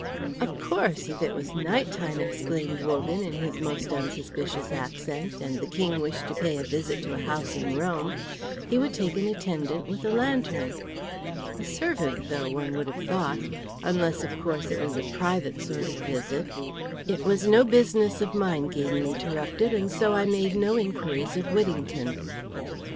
"Of course, if it was night time," exclaimed Wogan, in his most unsuspicious accent, "and the King wished to pay a visit to a house in Rome, he would take an attendant with a lantern. A servant, though, one would have thought, unless, of course, it was a private sort of visit " "It was no business of mine," Gaydon interrupted; "and so I made no inquiries of Whittington."